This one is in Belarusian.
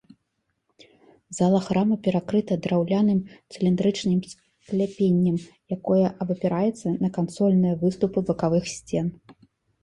Зала храма перакрыта драўляным цыліндрычным скляпеннем, якое абапіраецца на кансольныя выступы бакавых сцен.